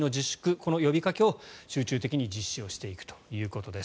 この呼びかけを集中的に実施をしていくということです。